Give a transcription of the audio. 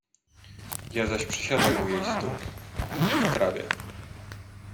"Ja zaś przysiadłem u jej stóp, w trawie."